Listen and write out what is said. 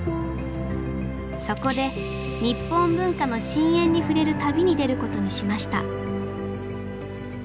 そこで「日本文化の深淵にふれる旅」に出ることにしました